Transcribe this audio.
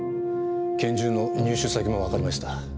拳銃の入手先もわかりました。